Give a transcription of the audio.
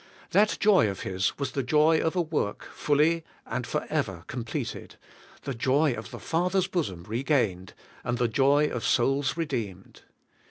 That joy of His was the joy of a work^ fully and for ever completed, the joy of the Father's bosom regained, and the joy of souls re deemed.